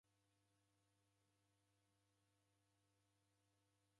Wughanga ghwa maghegho